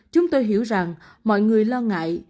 chúng tôi hiểu rằng mọi người lo ngại